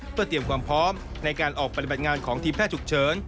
เพื่อเตรียมความพร้อมในการออกปฏิบัติงานของทีมแพทย์ฉุกเฉิน